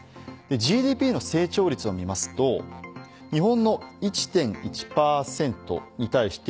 ＧＤＰの成長率を見ますと日本の１．１％に対して